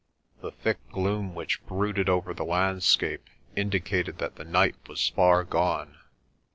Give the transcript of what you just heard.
The thick gloom which brooded over the landscape indicated that the night was far gone.